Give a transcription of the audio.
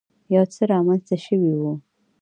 يو څه رامخته شوی و.